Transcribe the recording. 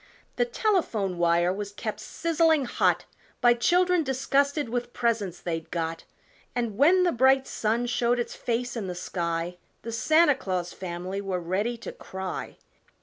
The telephone wire was kept sizzling hot By children disgusted with presents they'd got, And when the bright sun showed its face in the sky The Santa Claus family were ready to cry!